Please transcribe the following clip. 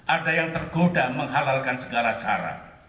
ada yang tergoda menghalalkan segala cara